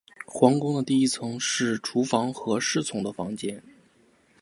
皇宫的第一层是厨房和侍从的房间。